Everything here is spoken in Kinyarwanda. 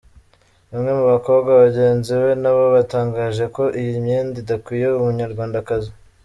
Bamwe mu bakobwa bagenzi be na bo batangaje ko iyi myenda idakwiye Umunyarwandakazi.